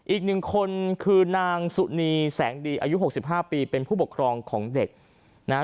อีกหนึ่งคนคือนางสุนีแสงดีอายุ๖๕ปีเป็นผู้ปกครองของเด็กนะฮะ